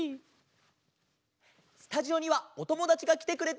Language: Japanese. スタジオにはおともだちがきてくれています。